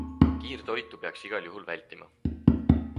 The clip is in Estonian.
Kiirtoitu peaks igal juhul vältima.